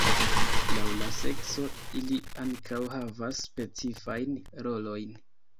Laŭ la sekso, ili ankaŭ havas specifajn rolojn.